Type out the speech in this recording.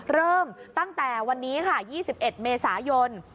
เริ่มตั้งแต่วันนี้ค่ะ๒๑เมษายน